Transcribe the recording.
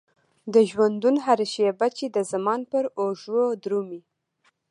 د ژوندون هره شيبه چې د زمان پر اوږو درومي.